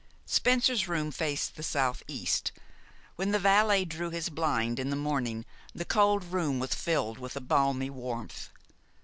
Spencer's room faced the southeast. When the valet drew his blind in the morning the cold room was filled with a balmy warmth.